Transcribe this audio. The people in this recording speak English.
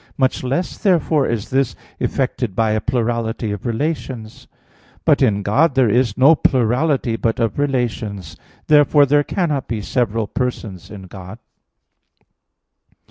Much less therefore is this effected by a plurality of relations. But in God there is no plurality but of relations (Q. 28, A. 3). Therefore there cannot be several persons in God.